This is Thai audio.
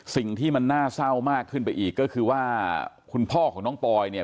สิ่งที่มันน่าเศร้ามากขึ้นไปอีกก็คือว่าคุณพ่อของน้องปอยเนี่ย